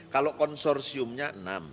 kalau konsorsiumnya enam